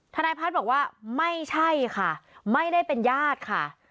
ทนายพัฒน์บอกว่าไม่ใช่ค่ะไม่ได้เป็นญาติค่ะ